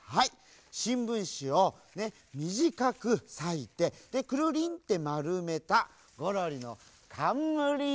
しんぶんしをねみじかくさいてくるりんってまるめたゴロリのかんむり。